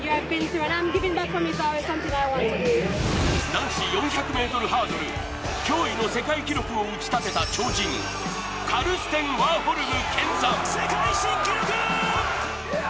男子４００ｍハードル、驚異の世界記録を打ち立てた超人、カルステン・ワーホルム見参。